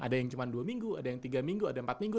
ada yang cuma dua minggu ada yang tiga minggu ada empat minggu